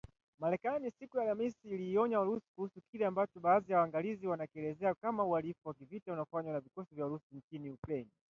Marekani, siku ya Alhamis iliionya Urusi kuhusu kile ambacho baadhi ya waangalizi wanakielezea kama uhalifu wa kivita unaofanywa na vikosi vya Urusi nchini Ukraine